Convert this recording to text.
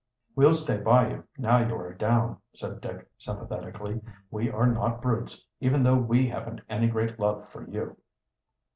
"We'll stay by you, now you are down," said Dick sympathetically. "We are not brutes, even though we haven't any great love for you."